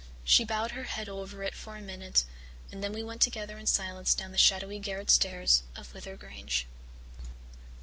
She bowed her head over it for a minute and then we went together in silence down the shadowy garret stairs of Wyther Grange.